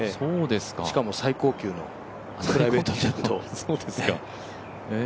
しかも最高級のプライベートジェット。